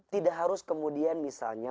tidak harus kemudian misalnya